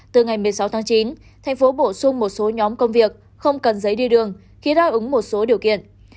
từ ngày một mươi sáu tháng chín thành phố bổ sung một số nhóm công việc không cần giấy đi đường khi đáp ứng một số điều kiện